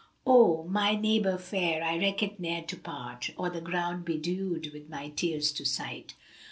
O my neighbour fair, I reckt ne'er to part, * Or the ground bedewed with my tears to sight!